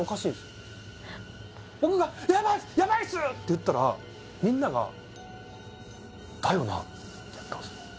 僕が「ヤバいっすヤバいっす！」って言ったらみんながって言ったんすよ